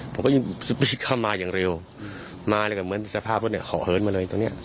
ผมก็ยิ่งสปีดเข้ามาอย่างเร็วมาแล้วก็เหมือนสภาพรถเนี่ยเขาเหินมาเลยตอนเนี้ย